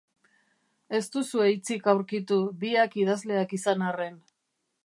Ez duzue hitzik aurkitu, biak idazleak izan arren.